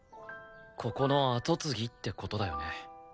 ここの後継ぎって事だよね？